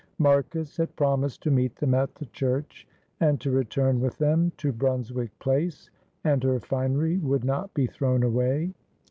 Marcus had promised to meet them at the church, and to return with them to Brunswick Place, and her finery would not be thrown away.